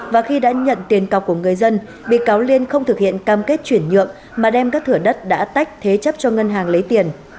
và khi đã nhận tiền cọc của người dân bị cáo liên không thực hiện cam kết chuyển nhượng mà đem các thửa đất đã tách thế chấp cho ngân hàng lấy tiền